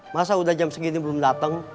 masa udah jam segini belum datang